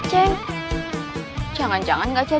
uangnya udah gak ada